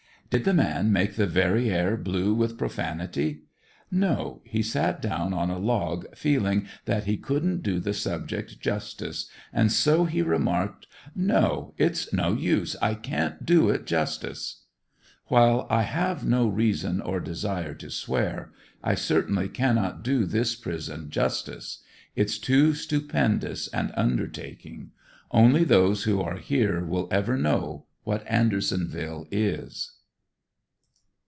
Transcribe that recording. Did the man make the very air blue with profanity? No, he sat down on a log feeling that he couldn't do the subject justice and so he remarked: ''No! it's no use, I can't do it justice " While I have no reason or desire to swear, I certainly cannot do this prison justice. It's too stupen duous an undertaking. Only those who are here will ever know what Andersonville is.